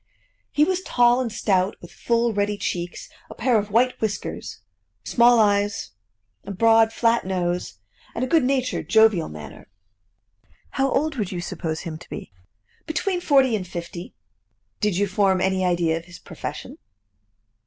"He was tall and stout, with full ruddy cheeks, a pair of white whiskers, small eyes, a broad flat nose, and a good natured, jovial manner." "How old would you suppose him to be?" "Between forty and fifty." "Did you form any idea of his profession?"